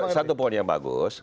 satu poin yang bagus